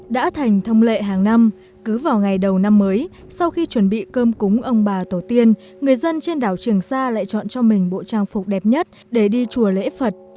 đã thành thông lệ hàng năm cứ vào ngày đầu năm mới sau khi chuẩn bị cơm cúng ông bà tổ tiên người dân trên đảo trường sa lại chọn cho mình bộ trang phục đẹp nhất để đi chùa lễ phật